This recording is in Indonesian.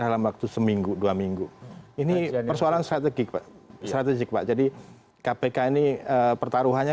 dalam waktu seminggu dua minggu ini persoalan strategik pak strategik pak jadi kpk ini pertaruhannya